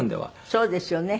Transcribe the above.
そうですよね。